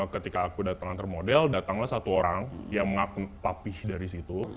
ketika aku datang antar model datanglah satu orang yang papih dari situ